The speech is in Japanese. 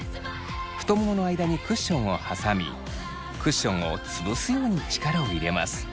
太ももの間にクッションを挟みクッションを潰すように力を入れます。